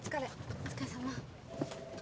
お疲れさま。